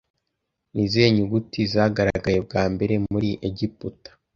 Ni izihe nyuguti zagaragaye bwa mbere muri egiputa